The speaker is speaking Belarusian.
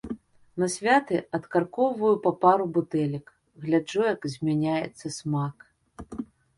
На святы адкаркоўваю па пару бутэлек, гляджу, як змяняецца смак.